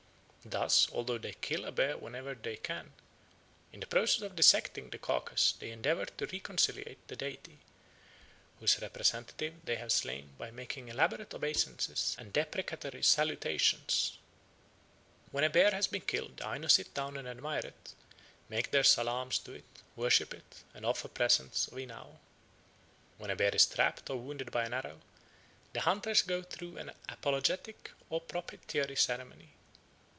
Thus, although they kill a bear whenever they can, "in the process of dissecting the carcass they endeavor to conciliate the deity, whose representative they have slain, by making elaborate obeisances and deprecatory salutations"; "when a bear has been killed the Ainu sit down and admire it, make their salaams to it, worship it, and offer presents of inao"; "when a bear is trapped or wounded by an arrow, the hunters go through an apologetic or propitiatory ceremony."